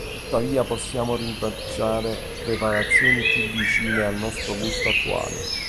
Tuttavia possiamo rintracciare preparazioni più vicine al nostro gusto attuale.